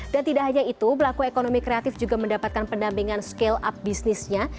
dan tidak hanya itu pelaku ekonomi kreatif juga mendapatkan pendampingan scale up bisnisnya